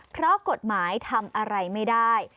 เพราะกฎหมายทำอะไรไม่ได้